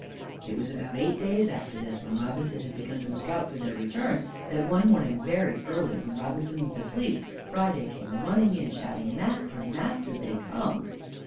It was about eight days after this, and when Robinson had begun to look out for their return, that one morning very early, when Robinson was asleep, Friday came running in, shouting, "Master! Master! They come."